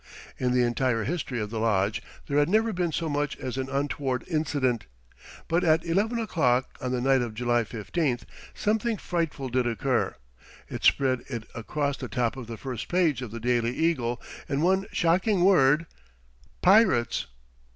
In the entire history of the lodge there had never been so much as an untoward incident, but at eleven o'clock on the night of July 15 something frightful did occur. It spread it across the top of the first page of the "Daily Eagle" in the one shocking word PIRATES!